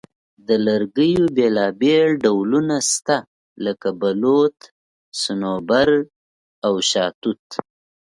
د لرګیو بیلابیل ډولونه شته، لکه بلوط، صنوبر، او شاهتوت.